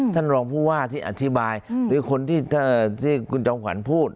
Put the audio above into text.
ท่านรองผู้ว่าที่อธิบายหรือคนที่คุณจอมขวัญพูด